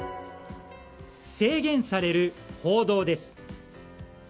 制限される報道です。